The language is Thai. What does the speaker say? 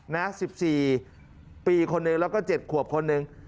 นะสิบสี่ปีคนหนึ่งแล้วก็เจ็ดขวบคนหนึ่ง